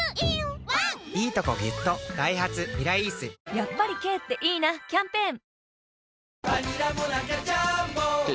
やっぱり軽っていいなキャンペーン